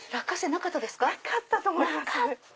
なかったと思います。